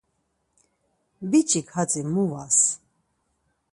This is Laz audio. Biç̌ik hatzi mu vas.